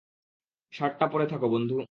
শার্টটা পরে থাকো, বন্ধু।